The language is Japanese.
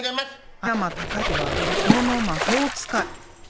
阿山隆之は色の魔法使い。